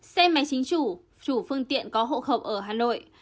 xe máy chính chủ chủ phương tiện có hộ khẩu ở hà nội